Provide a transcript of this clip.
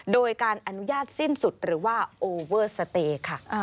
โดยการอนุญาตสิ้นสุดหรือว่าโอเวอร์สเตย์ค่ะ